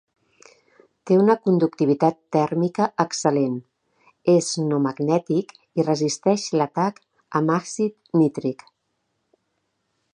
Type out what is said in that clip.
Té una conductivitat tèrmica excel·lent, és no magnètic i resisteix l'atac amb àcid nítric.